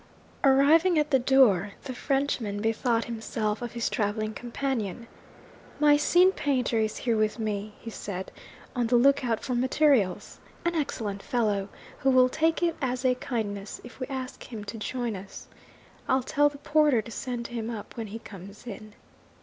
Arriving at the door, the Frenchman bethought himself of his travelling companion. 'My scene painter is here with me,' he said, 'on the look out for materials. An excellent fellow, who will take it as a kindness if we ask him to join us. I'll tell the porter to send him up when he comes in.'